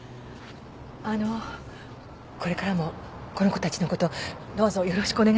あのこれからもこの子たちのことどうぞよろしくお願いいたします。